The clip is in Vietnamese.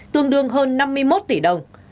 tương đương hơn năm mươi một tỷ đồng